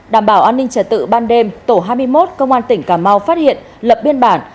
đảm bảo an ninh trật tự ban đêm tổ hai mươi một công an tỉnh cà mau phát hiện lập biên bản